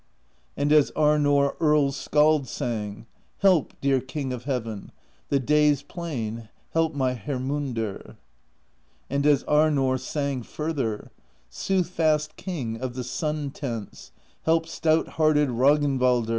And as Arnorr Earls' Skald sang: Help, dear King of Heaven, The Day's Plain, help my Hermundr. And as Arnorr sang further: Soothfast King of the Sun Tents, Help stout hearted Rognvaldr.